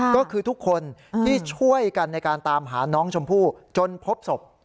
ก็คือทุกคนที่ช่วยกันในการตามหาน้องชมพู่จนพบศพ